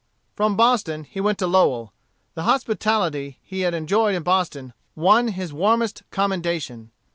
From Boston, he went to Lowell. The hospitality he had enjoyed in Boston won his warmest commendation.